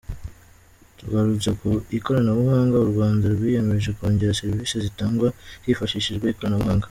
Tugarutse ku ikoranabuhanga, u Rwanda rwiyemeje kongera serivisi zitangwa hifashishijwe ikoranabuhanga.